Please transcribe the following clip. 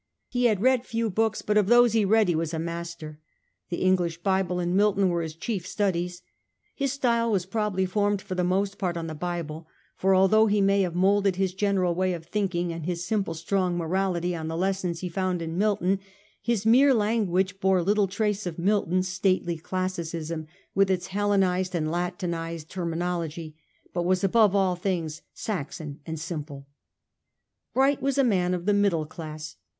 He had read few books, but of those he read he was a master. The English Bible and Milton were his chief studies. His style was probably formed for the most part on the Bible; for although he may have moulded his general way of thinking and his simple strong mora lity on the lessons he found in Milton, his mere lan guage bore little trace of Milton's stately classicism with its Hellenized and Latinized terminology, but was above all things Saxon and simple. Bright was a man of the middle class.